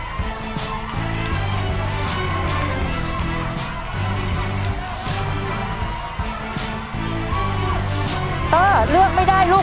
เตอร์เลือกไม่ได้ลูก